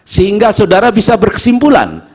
sehingga saudara bisa berkesimpulan